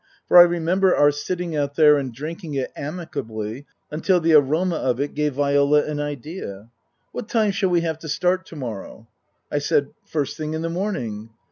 For I remember our sitting out there and drinking it amicably until the aroma of it gave Viola an idea. " What time shall we have to start to morrow ?" I said, " First thing in the morning."